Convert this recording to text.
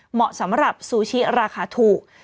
เหมาะสำหรับซูชิราคาถูก